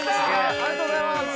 ◆ありがとうございます。